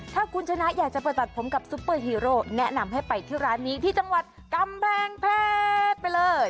ถ้าคุณชนะอยากจะไปตัดผมกับซุปเปอร์ฮีโร่แนะนำให้ไปที่ร้านนี้ที่จังหวัดกำแพงเพชรไปเลย